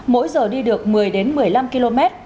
mỗi giờ đi được một mươi một mươi năm km